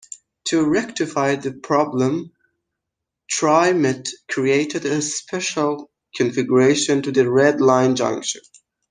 To rectify the problem, TriMet created a special configuration to the Red Line junction.